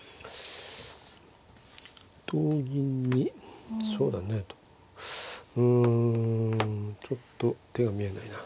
同銀にそうだねうんちょっと手が見えないな。